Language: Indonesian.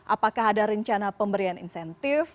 apakah ada rencana pemberian insentif